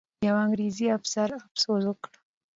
یو انګریزي افسر افسوس وکړ.